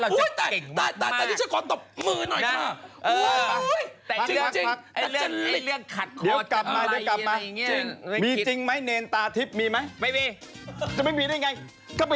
เรียกกันแดดดาตรริบนี้เนี่ยเราคือเราเก่งมากมาก